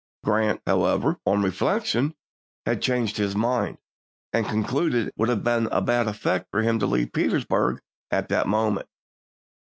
Grant, however, " on reflection " had changed his mind, and concluded it would have a bad effect for him to leave Petersburg at that moment.